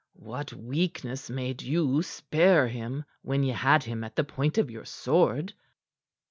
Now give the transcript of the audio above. "What weakness made you spare him when ye had him at the point of your sword?"